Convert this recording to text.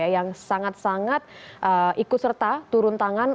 yang sangat sangat ikut serta turun tangan